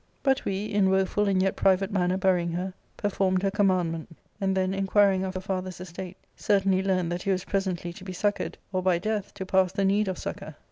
*" But we, in woeful and yet private manner burying her, performed her commandment ; and then, inquiring of her fJEither's estate, certainly learned that he was presently to be succoured, or by death to pass the need of succour.